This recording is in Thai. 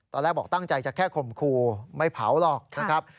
ตอนแรกบอกตั้งใจจะแค่ข่มขู่ไม่เผาหรอกนะครับ